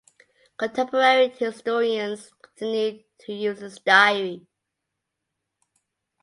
Contemporary historians continue to use his diary.